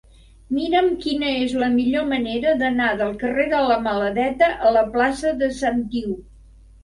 Mira'm quina és la millor manera d'anar del carrer de la Maladeta a la plaça de Sant Iu.